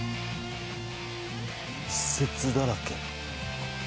施設だらけ。